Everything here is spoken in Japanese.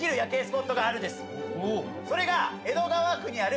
それが。